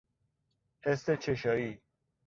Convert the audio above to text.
حس چشایی